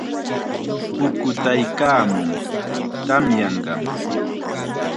Pukutaykaamun, tamyanqam.